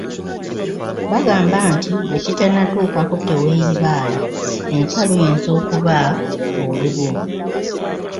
Bagamba nti gwe kitannatuukako teweeyibaala, enkya luyinza okuba olulwo.